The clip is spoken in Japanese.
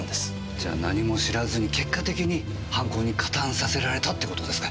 じゃ何も知らずに結果的に犯行に加担させられたって事ですね？